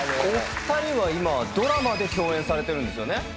お二人は今ドラマで共演されてるんですよね。